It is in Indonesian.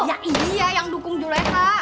ya iya yang dukung juleha